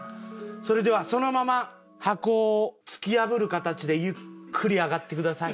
それではそのまま箱を突き破る形でゆっくり上がってください。